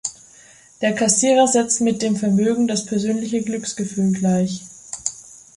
Der Kassierer setzt mit dem Vermögen das persönliche Glücksgefühl gleich.